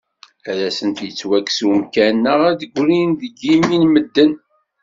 Ad asen-yettwakkes umkan neɣ ad d-ggrin deg yimi n medden.